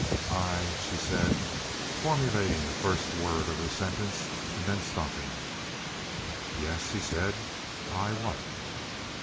"I—" she said, formulating the first word of her sentence, and then stopping. "Yes," he said. "I—what?"